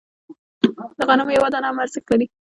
د غنمو یوه دانه هم ارزښت لري.